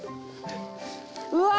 うわ！